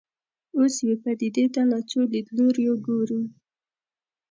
اوس یوې پدیدې ته له څو لیدلوریو ګورو.